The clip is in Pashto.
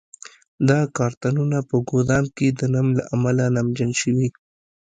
دا کارتنونه په ګدام کې د نم له امله نمجن شوي.